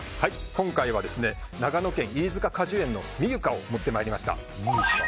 今回は長野県、飯塚果樹園の美夕果を持ってきました。